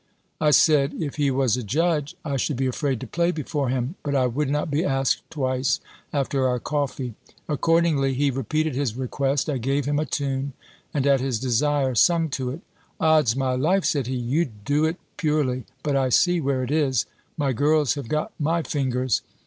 I said, if he was a judge, I should be afraid to play before him; but I would not be asked twice, after our coffee. Accordingly he repeated his request. I gave him a tune, and, at his desire, sung to it: "Od's my life," said he, "you do it purely! But I see where it is. My girls have got my fingers!"